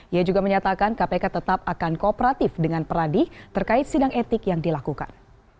ia juga menyatakan kpk tetap akan kooperatif dengan peradi terkait sidang etik yang dilakukan